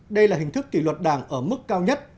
đây là hình thức kỷ luật đảng ở mức cao nhất